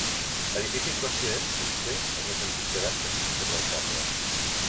L'edifici en qüestió és, potser, el més antic datat que es conserva al poble.